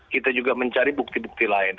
kita juga mencari bukti bukti lain